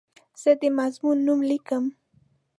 زه د مضمون نوم لیکم.